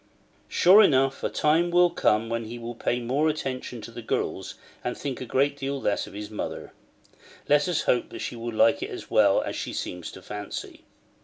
Sure enough a time will come when he will pay more attention to the girls, and think a great deal less of his mother: let us hope she will like it as well as she seemed to fancy.